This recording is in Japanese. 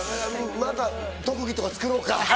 また特技とか作ろうか。